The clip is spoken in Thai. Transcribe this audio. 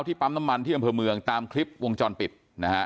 ปั๊มน้ำมันที่อำเภอเมืองตามคลิปวงจรปิดนะฮะ